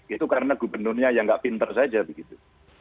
itu karena gubernurnya yang nggak pinter saja begitu